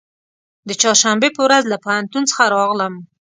د چهارشنبې په ورځ له پوهنتون څخه راغلم.